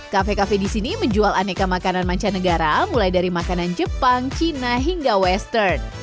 kafe kafe di sini menjual aneka makanan mancanegara mulai dari makanan jepang cina hingga western